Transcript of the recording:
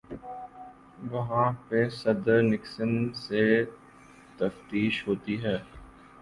وہاں پہ صدر نکسن سے تفتیش ہوتی ہے۔